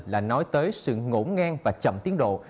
là nói tới sự ngỗ ngang và chậm tiến độ